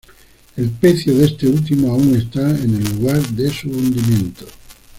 El pecio de este último aún está en el lugar de su hundimiento.